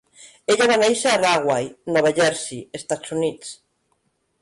Ella va néixer a Rahway, Nova Jersey, Estats Units.